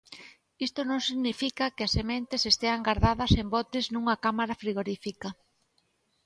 Isto non significa que as sementes estean gardadas en botes nunha cámara frigorífica.